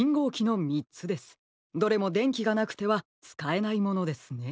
どれもでんきがなくてはつかえないものですね。